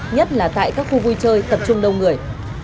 nhất là tại các khu vui chơi tập trung đông người